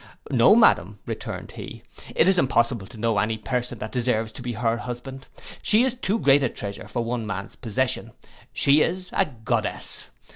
'—'No, madam,' returned he, 'it is impossible to know any person that deserves to be her husband: she's too great a treasure for one man's possession: she's a goddess.